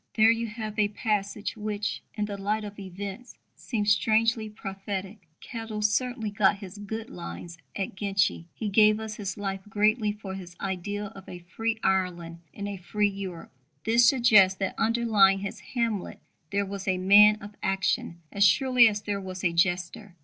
There you have a passage which, in the light of events, seems strangely prophetic. Kettle certainly got his "good lines" at Ginchy. He gave his life greatly for his ideal of a free Ireland in a free Europe. This suggests that underlying his Hamlet there was a man of action as surely as there was a jester.